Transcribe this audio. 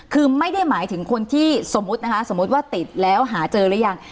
คือไม่ได้หมายถึงคนที่สมมติว่าติดแล้วหาเจอหรือยัง